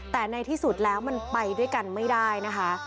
แต่ในที่สุดแล้วมันไปด้วยกันไม่ได้นะคะ